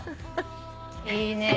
いいね。